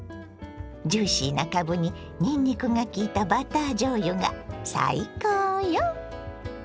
ジューシーなかぶににんにくがきいたバターじょうゆが最高よ！